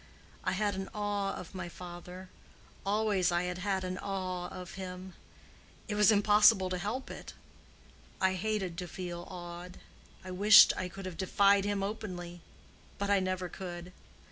I had an awe of my father—always I had had an awe of him: it was impossible to help it. I hated to feel awed—I wished I could have defied him openly; but I never could.